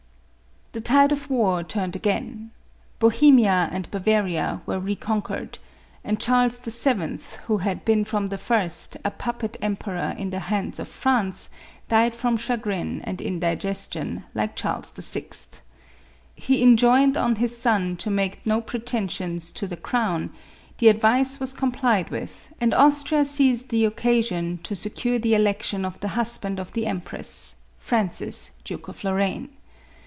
The tide of war turned again. Bohemia and Bava ria were reconquered ; and Charles VII. who had been, from the first, a puppet emperor in the hands of France, died from chagrin and indigestion, like Charles VI. He enjoined on his son to make no pretensions to the crown; the advice was complied with, and Austria seized the occasion to secure the election of the husband MARIA THERESA. 199 of the empress — Francis, Duke of Lorraine.